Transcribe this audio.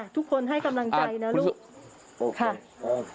ทุกคนให้กำลังใจนะลูกค่ะ